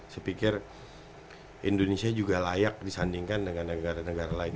saya pikir indonesia juga layak disandingkan dengan negara negara lain